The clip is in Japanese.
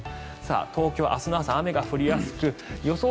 東京、明日の朝、雨が降りやすく予想